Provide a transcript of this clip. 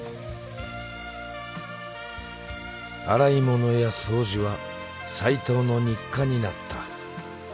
洗い物や掃除は齋藤の日課になった。